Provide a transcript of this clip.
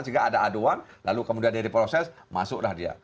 sehingga ada aduan lalu kemudian dia diproses masuklah dia